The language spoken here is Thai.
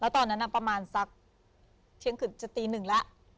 ตอนนั้นน่ะสักเชียงคืนจะตี๑แล้ว